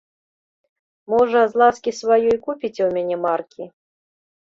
Можа, з ласкі сваёй купіце ў мяне маркі?